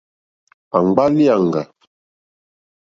Àŋɡbá lìàŋɡà.